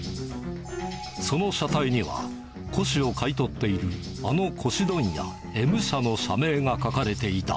その車体には、古紙を買い取っているあの古紙問屋、Ｍ社の社名が書かれていた。